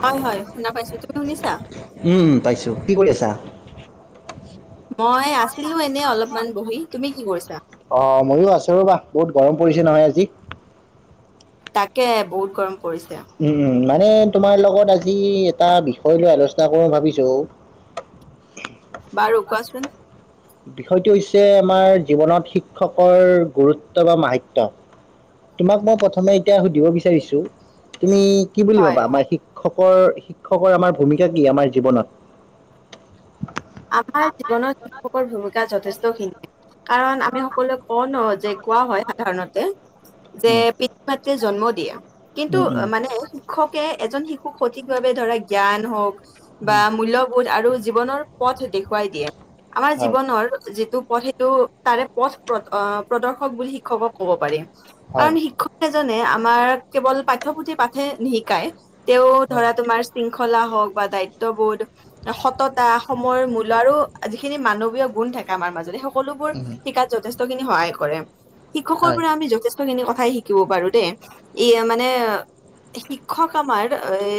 হয় হয় শুনা পাইছো তুমি শুনিছা? উম পাইছো কি কৰি আছা? মই আছিলো। এনে অলপমান বহি তুমি কি কৰিছা অহ ময়ো আছো ৰবা, বহুত গৰম পৰিছে নহয় আজি। তাকে বহুত গৰম পৰিছে। উম উম মানে তোমাৰ লগত আজি এটা বিষয় লৈ আলোচনা কৰো ভাবিছো। উ [unintelligible] বাৰু কোৱাচোন? বিষয়টো হৈছে আমাৰ জীৱনত শিক্ষকৰ গুৰুত্ব বা মাহাত্ব তোমাক মই প্ৰথমে এতিয়া সুধিব বিচাৰিছো তুমি কি বুলি হয় ভাবা আমাৰ শিক্ষকৰ -শিক্ষকৰ আমাৰ ভূমিকা কি আমাৰ জীৱনত? আমাৰ জীৱনত শিক্ষকৰ ভুমি কা যথেষ্ট খিনি কাৰণ আমি সকলোৱে কওঁ ন যে কোৱা হয় সাধাৰণতে। যে উম পিতৃ মাতৃয়ে জন্ম দিয়ে কিন্তু উম উম মানে শিক্ষকে এজন শিক খুব সঠিকভাৱে ধৰা জ্ঞান হওঁক বা উম মূল্যবোধ আৰু জীৱনৰ পথ দেখুৱাই দিয়ে আমাৰ হয় জীৱনৰ যিটো পথ সেইটো তাৰে পথ প্ৰদৰ্শক বুলি শিক্ষকক ক'ব পাৰে। কাৰণ হয় শিক্ষক জনে আমাৰ কেৱল পাঠ্যপুথি পাঠে নিশিকাই। তেওঁ হয় ধৰা‌তোমাৰ শৃংখলা হওক, বা দায়িত্ববোধ, সততা সময়ৰ মূল্য আৰু যিখিনি মানৱীয় গুণ থাকে আমাৰ মাজত সেই সকলোবোৰ উম শিকাত যথেষ্ট সহায় কৰে শিক্ষকৰ হয় পৰা আমি যথেষ্টখিনি কথাই শিকিব পাৰো দেই, ই মানে শিক্ষক আমাৰ এ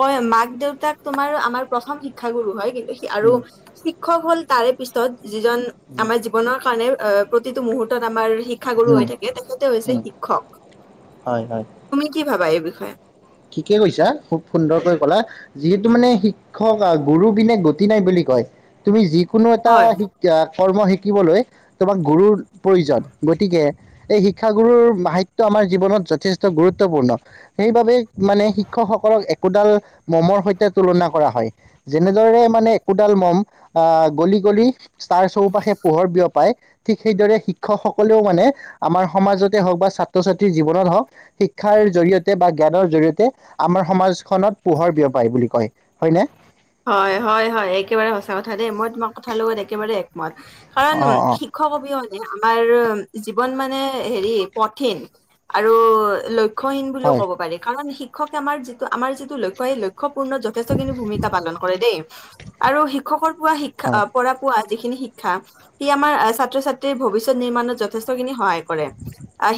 কয় মাক দেউতাক তোমাৰ আমাৰ প্ৰথম শিক্ষাগুৰু হয় কিন্তু আৰু উম শিক্ষক হ'ল তাৰে পিছত যিজন উম আমাৰ জীৱনৰ কাৰণে অ প্ৰতিটো মুহুৰ্তত আমাৰ শিক্ষাগুৰু উম হৈ থাকে তেখেতে হৈছে উম শিক্ষক। হয় হয় তুমি কি ভাবা এই বিষয়ে ঠিকে কৈছা খুব সুন্দৰকৈ কলা। যিহেতু মানে শিক্ষক গুৰু পিনে গতি নাই বুলি কয়। তুমি যিকোনো এটা হয় শিক্ষা কৰ্ম শিকিবলৈ তোমাক গুৰুৰ প্ৰয়োজন। গতিকে এই শিক্ষাগুৰুৰ সাহিত্যম আমাৰ জীৱনত যথেষ্ট গুৰুত্বপূৰ্ণ সেইবাবে মানে শিক্ষকসকলক একোডাল মমৰ সৈতে তুলনা কৰা হয়। যেনেদৰে মানে একোডাল মম অহ গলি -গলি তাৰ চৌপাশে পোহৰ বিয়পাই ঠিক সেইদৰে শিক্ষকসকলেও মানে আমাৰ সমাজতে হওক বা ছাত্ৰ ছাত্ৰী জীৱনত হওক শিক্ষা শিক্ষাৰ জৰিয়তে বা জ্ঞানৰ জৰিয়তে আমাৰ সমাজখনত পোহৰ বিয়পায় বুলি কয় হয়নে? হয়, হয়, হয়। একেবাৰে সঁচা কথা দেই মই তোমাক কথা লগত একেবাৰে এক কাৰণ অ', অ', শিক্ষক অবিহনে আমাৰ জীৱন মানে হেৰি কঠিন আৰু লক্ষ্য লক্ষ্যহীন বুলিও হয়, ক'ব পাৰি কাৰণ শিক্ষকে আমাৰ যিটো আমাৰ যিটো লক্ষ্য সেই লক্ষ্যপূৰ্ণত যথেষ্টখিনি ভূমিকা পালন কৰে দেই আৰু শিক্ষকৰ পোৱা শিক্ষা হয়, পৰা পোৱা যিখিনি শিক্ষা সি আমাৰ ছাত্ৰ ছাত্ৰীৰ ভৱিষ্যত নিৰ্মাণত যথেষ্টখিনি সহায় কৰে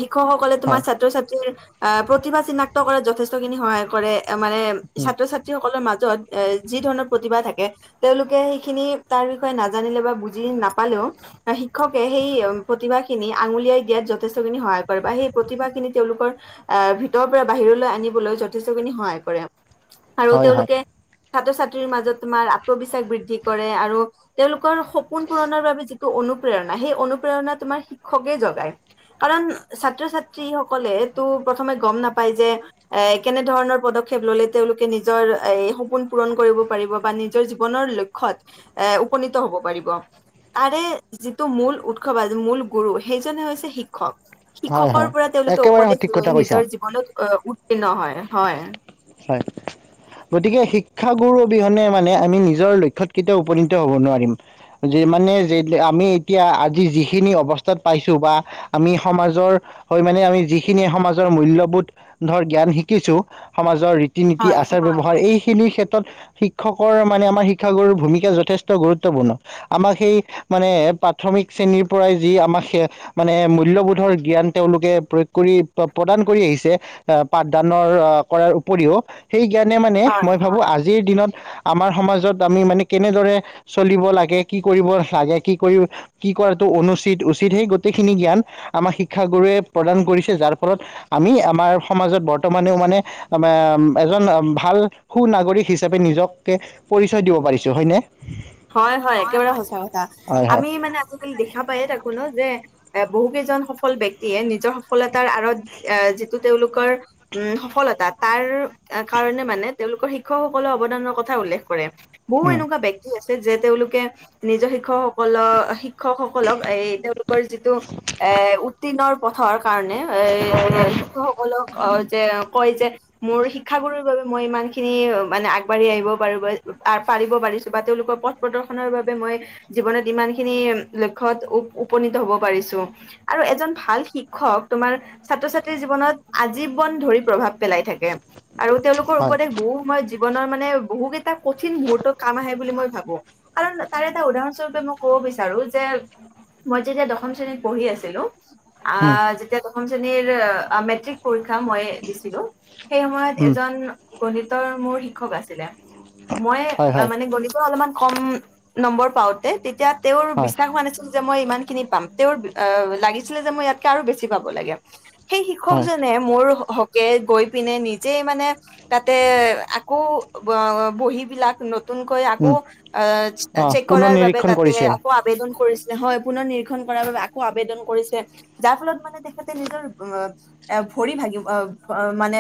শিক্ষকসকলে তোমাৰ হয়, ছাত্ৰ ছাত্ৰীৰ আহ প্ৰতিভা চিনাক্ত কৰাত যথেষ্টখিনি সহায় কৰে, মানে ছাত্ৰ ছাত্ৰীসকলৰ মাজত এ যি ধৰণৰ প্ৰতিভাথাকে। তেওঁলোকে সেইখিনি তাৰ বিষয়ে নাজানিলে বা বুজি নাপালেওঁ শিক্ষকে সেই প্ৰতিভা খিনি আঙুলিয়াই দিয়াত যথেষ্টখিনি সহায় কৰে বা সেই প্ৰতিভা খিনি তেওঁলোকৰ আহ ভিতৰৰ পৰা বাহিৰলৈ আনিবলৈ যথেষ্টখিনি সহায় কৰে আৰু হয়, হয়, তেওঁলোকে ছাত্ৰ ছাত্ৰীৰ মাজত তোমাৰ আত্মবিশ্বাস বৃদ্ধি কৰে আৰু তেওঁলোকৰ সপোন পূৰণৰ বাবে যিটো অনুপ্ৰেৰণা সে অনুপ্ৰেৰণা তোমাৰ শিক্ষকে জগাই কাৰণ ছাত্ৰ ছাত্ৰীসকলে প্ৰথমে গম নাপায় যে এ কেনেধৰণৰ পদক্ষেপ ল'লে তেওঁলোকে নিজৰ সপোন পূৰণ কৰিব পাৰিব বা নিজৰ জীৱনৰ লক্ষত এ উপনীত হ'ব পাৰিব। তাৰে যিটো মূল উৎসৱ আ মূল গুৰু সেইজনে হৈছে শিক্ষক হয়, শিক্ষকৰ হয়, পৰা তেওঁলোকে একেবাৰে উপদেশ সঠিক লৈ কথা কৈছা নিজৰ জীৱনত ও'ত্তিন্ন হয় হয়। হয়। গতিকে শিক্ষাগুৰু অবিহনে মানে আমি নিজৰ লক্ষয়ত কেতিয়াও উপনীত হ'ব নোৱাৰিম। যিমানে আমি এতিয়া আজি যিখিনি অৱস্থাত পাইছো বা আমি সমাজৰ হয় মানে আমি যিখিনি সমাজৰ মূল্যবোধ ধৰ জ্ঞান শিকিছো। সমাজৰ ৰীতি -নীতি আচাৰ ব্যৱহাৰ এই খিনি ক্ষেত্ৰত শিক্ষকৰ মানে আমাৰ শিক্ষাগুৰু ভূমিকা যথেষ্ট গুৰুত্বপূৰ্ণ। আমাক সেই মানে প্ৰাথমিক শ্ৰেণীৰ পৰাই যি আমাক মানে মূল্যবোধৰ জ্ঞান তেওঁলোকে প্ৰয়োগ কৰি প্ৰদান কৰি আহিছে প দানৰ কৰাৰ উপৰিও সেই জ্ঞানে মানে হয় মই ভাবো আজি আজিৰ দিনত আমাৰ সমাজত আমি মানে কেনেদৰে চলিব লাগে। কি কৰিব লাগে কি কৰিব কি কৰাটো অনুচিত, উচিত সেই গোটেইখিনি জ্ঞান আমাৰ শিক্ষাগুৰুয়ে প্ৰদান কৰিছে। যাৰ ফলত আমি আমাৰ সমাজত বৰ্তমান বৰ্তমানেও মানে এজন ভাল সু নাগৰিক হিচাপে নিজকে পৰিচয় দিব। পাৰিছোঁ হয় নে? হয় হয় একেবাৰে সঁচা কথা হয় হয় আমি মানে আজিকালি দেখা পায়। তাক শুনো যে এ বহু কেইজন সফল ব্ক্তিয়ে নিজৰ সফলতা তাৰ আঁৰত যিটো তেওঁলোকৰ উম সফলতা- তাৰ কাৰণে মানে তেওঁলোকৰ শিক্ষকসকলে অৱদানৰ কথা উল্লেখ কৰে। বহু উম এনেকুৱা বি- যে তেওঁলোকে নিজৰ শিক্ষকসকলৰ শি- শিক্ষকসকলক এ তেওঁলোকৰ যিটো এ উত্তীৰ্ণ পথৰ কাৰণে এ- শিক্ষসকলক অ'- যে কয় যে মোৰ শিক্ষাগুৰুৰ বাবে মই ইমান খিনি মানে আগবাঢ়ি আহিব পাৰো। বা- পাৰিব পাৰিছোঁ- বা তেওঁলোকৰ পথ প্ৰদৰ্শনৰ বাবে মই জীৱনত ইমান খিনি লক্ষ্যয়ত উপনীত হব পাৰিছো। আৰু এজন ভাল শিক্ষক তোমাৰ ছাত্ৰ- ছাত্ৰীৰ জীৱনত আজীৱন ধৰি প্ৰভাৱ পেলায় পেলাই থাকে আৰু তেওঁলোকৰ হয় উপদেশ বহু সময়ত জীৱনৰ মানে বহুকেইটা কঠিন মুহূৰ্তত। কাম আহে বুলি মই ভাবো। কাৰণ তাৰ এটা উদাহৰণস্বৰূপে মই কব বিচাৰো যে মই যেতিয়া- দশম শ্ৰেণীত পঢ়ি আছিলো। আ উম দশম শ্ৰেণীৰ মেট্ৰিক পৰীক্ষা- মই দিছিলো। সেই সময়ত উম এজন গণিতৰ মোৰ শিক্ষক আছিলে। মই হয় হয় মানে গণিতৰ অলপমান কম নম্বৰ পাওঁতে তেতিয়া- তেওঁৰ হয় বিশ্বাস হোৱা নাছিল। মই ইমান খিনি পাম তেওঁৰ লাগিছিলে যে মই ইয়াতকে আৰু বেছি পাব লাগে। সেই হয় শিক্ষকজনে মোৰ- গৈ পিনে নিজেই মানে তাতে আকৌ বহী বিলাক- নতুনকৈ আকৌ উম অ চেক পুনৰ কৰাৰ বাবে নিৰীক্ষণ তাতে কৰিছে আকৌ আবেদন কৰিছিল। হয় পুনৰ নিৰীক্ষণ কৰাৰ বাবে আকৌ আবেদন কৰিছে। যাৰ ফলত মানে তেখেতে নিজৰ- ভৰি ভাগিব মানে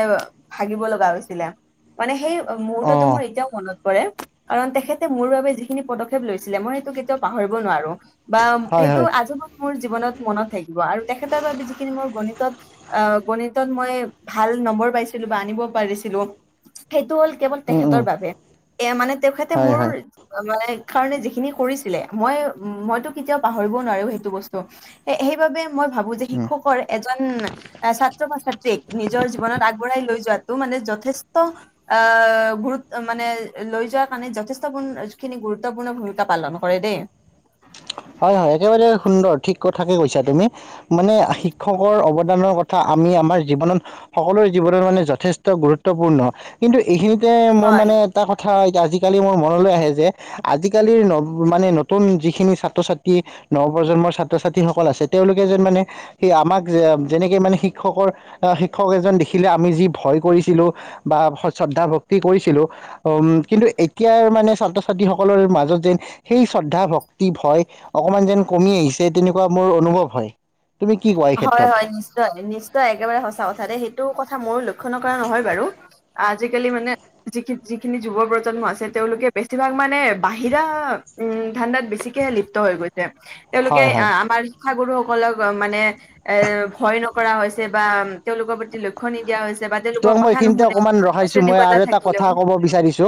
ভাগিব লগা হৈছিলে। মানে সেই- মোৰ অ তাতটো মোৰ এতিয়াও মনত- পৰে। কাৰণ তেখেতে মোৰ বাবে যিখিনি পদক্ষেপ লৈছিলে মই সেইটো কেতিয়াও পাহৰিব নোৱাৰো। বা হয় সেইটো হয় আজীৱন মোৰ জী- জীৱনত মনত থাকিব আৰু তেখতৰ বাবে যিখিন মোৰ গণিতত আ গণিতত মই ভাল নম্বৰ- পাইছিলো বা আনিব পাৰিছিলো। সেইটো হ'ল কেৱল উম তেখেতৰ উম বাবে। এ মানে তেখেতে হয় হয় মোৰ- মানে কাৰণে যিখিনি কৰিছিলে। মই মইতো কেতিয়াও পাহৰিবও নোৱাৰো সেইটো বস্তু। সেইবাবে- মই ভাবো যে উম শিক্ষকৰ এজন ছাত্ৰ বা ছাত্ৰীক নিজৰ জীৱনত আগবঢ়াই লৈ যোৱা। টো মানে যথেষ্ট আ মানে- লৈ যোৱাৰ কাৰণে যথেষ্ট পূৰ্ণ খিনি গুৰুত্বপূৰ্ণ ভূমিকা পালন কৰে দেই। হয় হয়। একেবাৰে সুন্দৰ ঠিক কথাকে কৈছা তুমি। মানে শিক্ষকৰ অৱদানৰ কথা- আমি আমাৰ জীৱনত সকলোৰে জীৱনত মানে যথেষ্ট গুৰুত্বপূৰ্ণ কিন্তু এইখিনিত- এ মোৰ হয় মানে এটা কথা- আজিকালি মোৰ মনলৈ আহে যে আজিকালিৰ মানে নতুন যিখিনি- ছাত্ৰ ছাত্ৰী নৱ প্ৰজন্মৰ ছাত্ৰ ছাত্ৰীসকল আছে। তেওঁলোকে যেন মানে সেই আমাক যেনেকে মানে শি- শিক্ষকৰ শিক্ষক এজন দেখিলে আমি যি ভয় কৰিছিলো বা শ্ৰদ্ধা ভক্তি কৰিছিলোঁ- উম কিন্তু এতিয়াৰ মানে ছাত্ৰ ছাত্ৰীসকলৰ মাজত যেন সেই শ্ৰদ্ধা ভক্তি ভয়- অকমান যেন কমি আহিছে তেনেকুৱা মোৰ অনুভৱ হয়। তুমি কি কোৱা এই হয় ক্ষেত্ৰত? হয় নিশ্চয় নিশ্চয় একেবাৰে সঁচা কথা দেই। সেইটো কথা মইও লক্ষ্য নকৰা নহয় বাৰু। আজিকালি মানে যিখিন যিখিনি যুৱ প্ৰজন্ম আছে তেওঁলোকে বেছিভাগ মানে বাহিৰা- উম ধাণ্ডাত বেছিকেহে লিপ্ত হৈ গৈছে। তেওঁলোকে হয় হয় আমাৰ শিক্ষাগুৰুসকলক মানে- এ ভয় নকৰা হৈছে বা তেওঁলোকৰ প্ৰতি লক্ষ্য নিদিয়া হৈছে। বা তেওঁলোকৰ তোমাক মই কথা এইখিনিতে নুশুনে অকমান ৰখাইছো শ্ৰেণী মই আৰু কোঠাত এটা কথা থাকিলেও ক'ব বিচাৰিছো।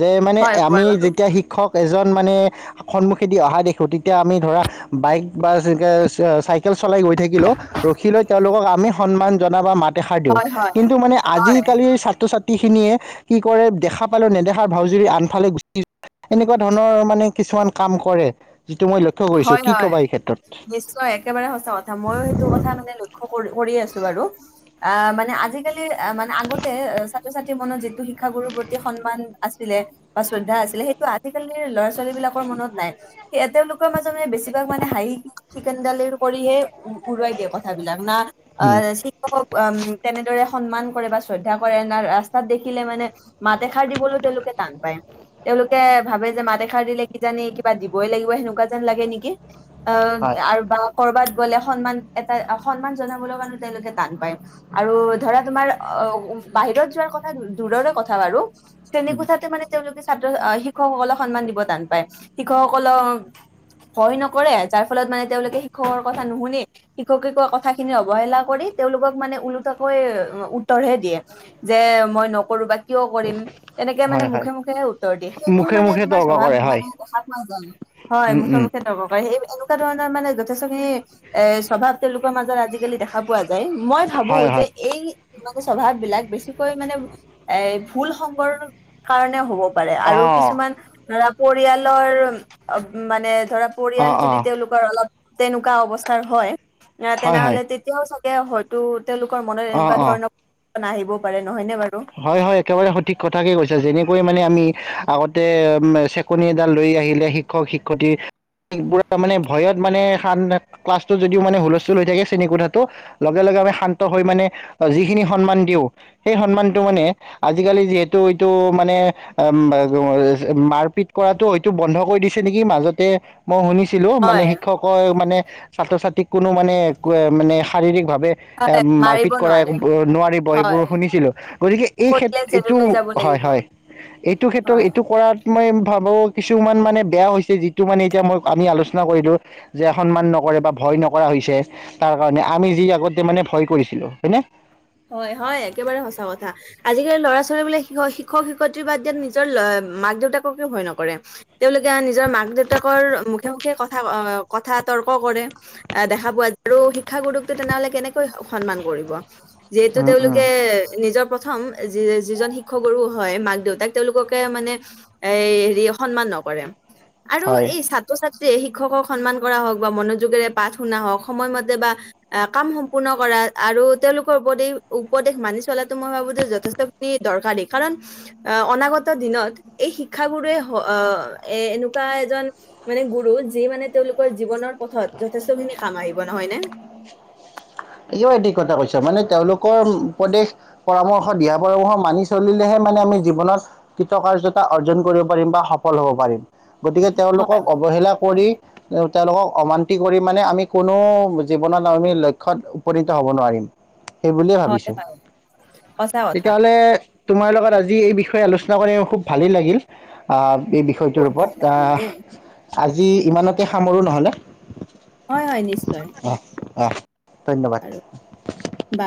যে মানে হয় কোৱা আমি- বাৰু যেতিয়া শিক্ষক এ- জন মানে সন্মুখে দি অহা দেখোঁ। তেতিয়া আমি ধৰা বাইক বা চাইকেল- ল চলাই গৈ থাকিলেও ৰখিলৈ তেওঁলোকক আমি সন্মান জনাওঁ বা মাত এষাৰ দিওঁ। হয় হয় কিন্তু মানে হয় আজিকালিৰ ছাত্ৰ ছাত্ৰী- খিনিয়ে কি কৰে দেখা পালে নেদেখাৰ ভাওজুৰি আনফালে গুচি যায়। এনেকুৱা ধৰণৰ মানে কি- কিছুমান কাম কৰে। যিটো মই লক্ষ্য কৰিছো হয় কি হয় কবা এই ক্ষেত্ৰত। নিশ্চয় একেবাৰে সঁচা কথা, মইয়ো সেইটো কথা মানে লক্ষ্য কৰি কৰি আছো বাৰু। আহ মানে আজিকালি মানে আগতে ছাত্ৰ-ছাত্ৰীৰ মনত যিটো শিক্ষাগুৰুৰ প্ৰতি সন্মান আছিল বা শ্ৰদ্ধা আছিলে, সেইটো আজিকালি ল'ৰা-ছোৱালী বিলাকৰ মনত নাই স তেওঁলোকে [unintelligible] মাজে মে বেছিভাগ মানে হাঁহি, চিকেন-দালি কৰিহে উৰুৱাই দিয়ে কথাবিলাক না উম। আহ শিক্ষক তেনেদৰে সন্মান কৰে বা শ্ৰদ্ধা কৰে, ন ৰাস্তাত দেখিলে মানে মাত এষাৰ দিবলৈও তেওঁলোকে টান পায়। তেওঁলোকে ভাবে যে মাত এষাৰ দিলে কিজানি কিবা দিবই লাগিব সেনেকুৱা লাগে নেকি অ' হয় আৰু বা কৰবাত গলে সন্মান, এটা সন্মান জনাবলৈ মানে তেওঁলোকে টান পায় আৰু ধৰা তোমাৰ অ' বাহিৰত যোৱাৰ কথা দূৰৰে কথা বাৰু তেনে উম কথাতে মানে তেওঁলোকে ছাত্ৰ- শিক্ষকসকলক সন্মান দিব টান পায়। শিক্ষকসকলক ভয় নকৰে, যাৰ ফলত মানে তেওঁলোকে শিক্ষকৰ কথা নুশুনি, শিক্ষকে কোৱা কথা খিনি অৱহেলা কৰি তেওঁলোকক মানে ওলোটাকৈ উত্তৰ হে দিয়ে যে, মই নকৰো বা কিয় কৰিম তেনেকে মানে হয় হয় মুখে-মুখেহে উত্তৰ দিয়ে, সেইবোৰ মুখে মানে মুখে তোমাৰ তৰ্ক স্বভাৱ কৰে হয় মানে দেখা পোৱা যায়। হয় উম উম মুখে-মুখে তৰ্ক কৰে, সেই এনেকুৱা ধৰণৰ মানে যথেষ্ট খিনি এ স্বভাৱ, তেওঁলোকৰ মাজত আজিকালি দেখা পোৱা যায় মই ভাবো হয় যে হয় এই এনে স্বভাৱ বিলাক বেছিকৈ মানে এ ভুল সংগৰ কাৰণে হ'ব পাৰে অ আৰু কিছুমান ধৰা পৰিয়ালৰ মানে ধৰা অ পৰিয়াল অ যদি তেওঁলোকৰ অলপ তেনেকুৱা অৱস্থাৰ হয়, আহ হয় হয় তেনেহলে তেতিয়াও হয়তো তেওঁলোকৰ মনত অ এনেকুৱা ধৰণৰ আহিব পাৰে। নহয়নে বাৰু? হয়-হয় একেবাৰে সঠিক কথাকে কৈছা, যেনেকৈ মানে আমি আগতে চেকনি এডাল লৈ আহিলে শিক্ষক- শিক্ষয়িত্ৰী। পুৰা মানে ভয়ত মানে ক্লাছটো যদিও মানে হুলস্থুল হৈ থাকে, শ্ৰেণী কোঠাটো লগে লগে শান্ত হৈ মানে আমি যিখিনি সন্মান দিও, সেই সন্মান মানে আজিকালি যিহেতু এইটো মানে মাৰপিট কৰাটো হয়তো বন্ধ কৰি দিছে নেকি, মাজতে মই শুনিছো ছিলো মানে হয় শিক্ষক মানে ছাত্ৰ-ছাত্ৰীক কোনো মানে মানে শাৰীৰিক ভাৱে এ হয় মাৰিব মাৰপিত কৰা নোৱাৰে এইবোৰ নোৱাৰিব হয় সেইবোৰ শুনিছিলো। এই কৰিলে ক্ষেত্ৰত এইটো জেললৈ যাব হয়, লাগিব হয় এইটো ক্ষেত্ৰত হয়। এইটো কৰাত মই ভাবো কিছুমান মানে বেয়া হৈছে, যিটো মানে এতিয়া মই আমি আলোচনা কৰিলো যে সন্মান নক বা ভয় নকৰা হৈছে তাৰ কাৰণে, আমি যি আগতে মানে ভয় কৰিছিলো হয় নে। হয়, হয় একেবাৰে সঁচা কথা। আজিকালি ল'ৰা- ছোৱালীবোৰে শিক্ষক-শিক্ষয়িত্ৰী বাদ দিয়া নিজৰ মাক-দেউতাককে ভয় নকৰে। তেওঁলোকে নিজৰ মাক-দেউতাকৰ মুখে-মুখে কথা কথা তৰ্ক কৰে, দেখা পোৱা যায় আৰু শিক্ষা গুৰুকো তেনেহলে কেনেকৈ সন্মান কৰিব। [unintelligible] যিহেতু উম উম তেওঁলোকে নিজৰ প্ৰথম যিজন শিক্ষ গুৰু হয় মাক দেউতাক, তেওঁলোককে মানে এ হেৰি সন্মান নকৰে আৰু হয় এই ছাত্ৰ-ছাত্ৰী শিক্ষকক সন্মান কৰা হওক বা মনোযোগেৰে পাঠ শুনা হওক, সময়মতে বা কাম সম্পূৰ্ণ কৰা আৰু তেওলোক উপদেশ মানি চলাটো মই ভাবো যে যথেষ্টখিনি দৰকাৰী কাৰণ আহ অনাগত দিন দিনত এই শিক্ষা গুৰুৱে এ এনেকোৱা এজন মানে গুৰু যি মানে তেওঁলোকৰ জীৱনৰ পথত যথেষ্ট খিনি কাম আহিব নহয় নে। কিয় এনে কথা কৈছা মানে তেওঁলোকৰ উপদেশ পৰামৰ্শ দিহা পৰামৰ্শ মানি চলিলেহে মানে আমি জীৱনত কৃতকাৰ্যতা অৰ্জন কৰিব পাৰিম বা সফ সফল হ'ব পাৰিম গতিকে হয় তেওঁলোকক অৱহেলা কৰি তেওঁলোকক অমান্তি কৰি মানে আমি কোনো জীৱনত আমি ল ক্ষ্যত উপনীত হ'ব নোৱাৰিম, সেই বুলিয়ে হয় ভাবিছো হয় সঁচা কথা তেতিয়াহ'লে তোমাৰ লগত আজি এই বিষয়ে আলোচনা কৰি ম খুব ভালেই লাগিল আ এই বিষয়টোৰ বহুত ভাল ওপৰত লাগিল দেই আ আজি ইমানতে সামৰো নহ'লে হয় হয় নিশ্চয় অ ধন্যবাদ আৰু বা